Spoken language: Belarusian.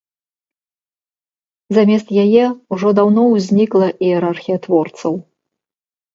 Замест яе ўжо даўно ўзнікла іерархія творцаў.